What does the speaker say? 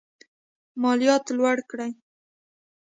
مالیات لوړ کړي.